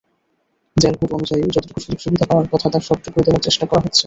Jail code অনুযায়ী যতটুকু সুযোগ-সুবিধা পাওয়ার কথা, তার সবটুকুই দেওয়ার চেষ্টা করা হচ্ছে।